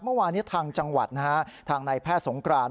เมื่อวานนี้ทางจังหวัดทางในแพร่สงคราน